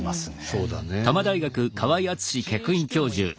そうだね。